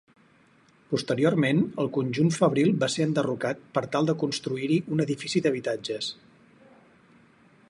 Posteriorment, el conjunt fabril va ser enderrocat per tal de construir-hi un edifici d'habitatges.